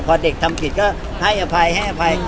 พอเด็กทำผิดก็ให้อภัยให้อภัย